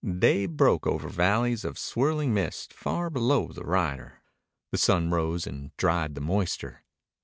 Day broke over valleys of swirling mist far below the rider. The sun rose and dried the moisture.